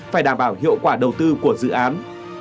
phải đảm bảo hiệu quả đầu tư của dự án